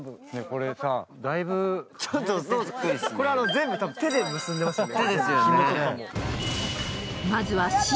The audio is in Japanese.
全部、手で結んでますよね。